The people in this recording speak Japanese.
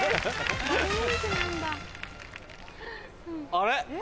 あれ？